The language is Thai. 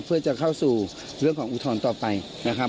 เพื่อจะเข้าสู่เรื่องของอุทธรณ์ต่อไปนะครับ